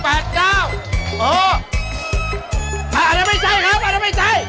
อาจจะไม่ใช่ครับอันนั้นไม่ใช่